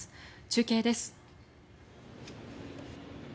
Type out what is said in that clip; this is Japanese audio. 中継です。